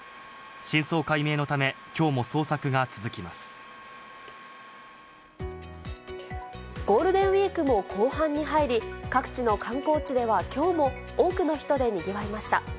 真相解明のため、きょうも捜索がゴールデンウィークも後半に入り、各地の観光地ではきょうも多くの人でにぎわいました。